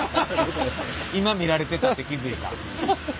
今見られてたって気付いた。